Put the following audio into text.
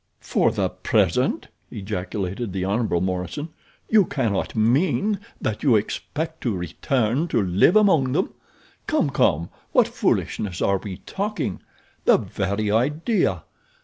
"For the present!" ejaculated the Hon. Morison. "You cannot mean that you expect to return to live among them? Come, come, what foolishness are we talking! The very idea!